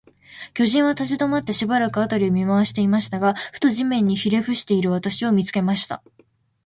巨人は立ちどまって、しばらく、あたりを見まわしていましたが、ふと、地面にひれふしている私を、見つけました。